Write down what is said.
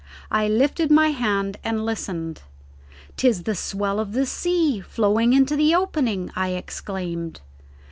I lifted my hand and listened. "'Tis the swell of the sea flowing into the opening!" I exclaimed.